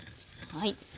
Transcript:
はい。